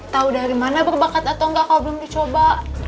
tahu dari mana berbakat atau enggak kalau belum dicoba